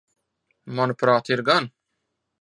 Manuprāt, ir gan.